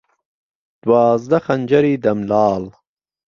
دوازده خهنجەری دەم لاڵ